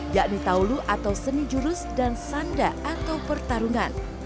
yakni taulu atau seni jurus dan sanda atau pertarungan